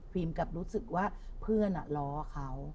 กลับรู้สึกว่าเพื่อนล้อเขา